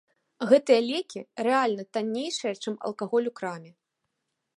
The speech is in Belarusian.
Гэтыя лекі рэальна таннейшыя, чым алкаголь у краме.